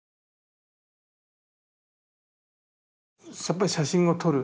やっぱり写真を撮る。